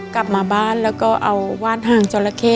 กลับมาบ้านแล้วก็เอาว่านหางจราเข้